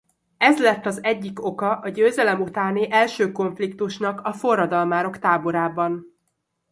Ez lett az egyik oka a győzelem utáni első konfliktusnak a forradalmárok táborában.